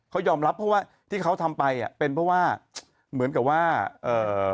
เขายอมรับเพราะว่าที่เขาทำไปอ่ะเป็นเพราะว่าเหมือนกับว่าเอ่อ